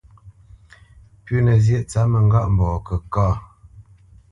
Pʉ̌nǝ zyéʼ tsǎp mǝŋgâʼmbɔɔ kǝ kâ.